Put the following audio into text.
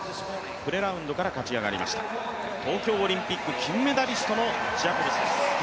プレラウンドから勝ち上がりました、東京オリンピック金メダリスト、ジェイコブスです。